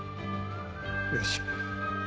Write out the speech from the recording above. よし。